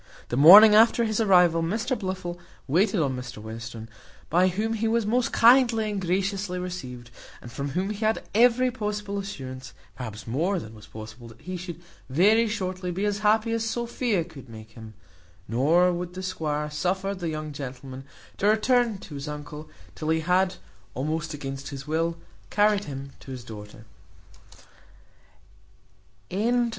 The morning after his arrival Mr Blifil waited on Mr Western, by whom he was most kindly and graciously received, and from whom he had every possible assurance (perhaps more than was possible) that he should very shortly be as happy as Sophia could make him; nor would the squire suffer the young gentleman to return to his uncle till he had, almost against his will, carried him to his sister. Chapter vii.